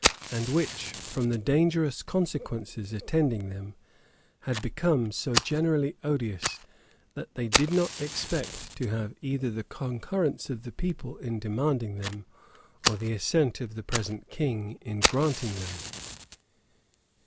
and which, from the dangerous consequences attending them, had become so generally odious, that they did not expect to have either the concurrence of the people in demanding the*n, or the assent of the present king in granting them.